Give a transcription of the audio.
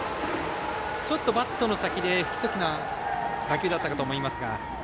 バットの先で、不規則な打球だったかと思いますが。